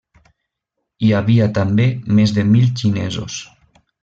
Hi havia també més de mil xinesos.